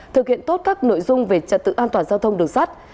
thực hiện tốt các nội dung về trật tự an toàn giao thông đường sắt